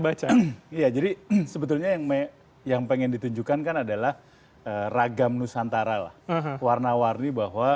baca ya jadi sebetulnya yang me yang pengen ditunjukkan kan adalah ragam nusantara warna warni